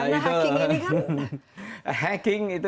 karena hacking ini kan